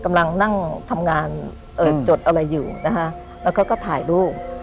กำลังนั่งทำงานเอ่อจดอะไรอยู่นะคะแล้วเขาก็ถ่ายรูป